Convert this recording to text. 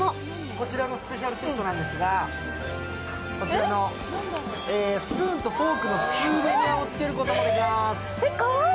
こちらのスペシャルセットなんですが、こちらのスプーンとフォークのスーベニアをつけることもできます。